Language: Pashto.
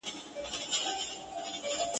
په ځالۍ کي یې ساتمه نازومه ..